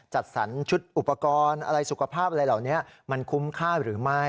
จัดสรรชุดอุปกรณ์อะไรสุขภาพอะไรเหล่านี้มันคุ้มค่าหรือไม่